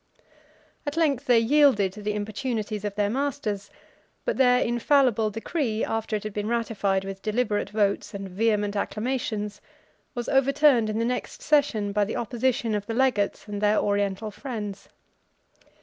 At length they yielded to the importunities of their masters; but their infallible decree, after it had been ratified with deliberate votes and vehement acclamations, was overturned in the next session by the opposition of the legates and their Oriental friends.